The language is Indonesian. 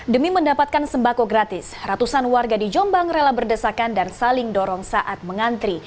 demi mendapatkan sembako gratis ratusan warga di jombang rela berdesakan dan saling dorong saat mengantri